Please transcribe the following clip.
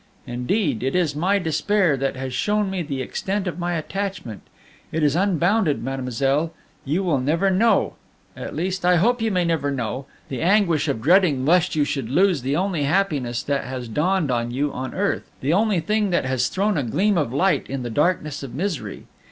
Indeed, it is my despair that has shown me the extent of my attachment it is unbounded. Mademoiselle, you will never know at least, I hope you may never know the anguish of dreading lest you should lose the only happiness that has dawned on you on earth, the only thing that has thrown a gleam of light in the darkness of misery.